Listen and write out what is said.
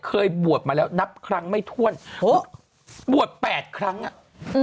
เคยบวชมาแล้วนับครั้งไม่ถ้วนบวช๘ครั้งอ่ะ